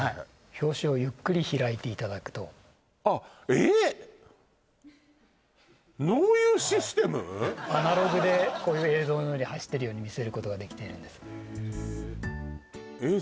表紙をゆっくり開いていただくとあっアナログでこういう映像のように走ってるように見せることができているんですえっ